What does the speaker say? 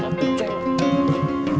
gak bisa ya